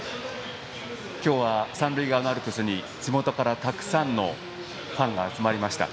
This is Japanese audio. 今日は三塁側のアルプスに地元からたくさんのファンが集まりました。